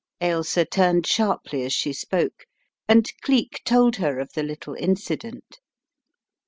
Ailsa turned sharply as she spoke and Cleek told her of the little incident.